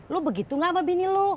lo begitu gak apa bini lo